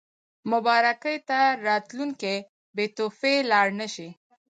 مبارکۍ ته راتلونکي بې تحفې لاړ نه شي.